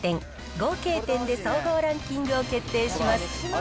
合計点で総合ランキングを決定します。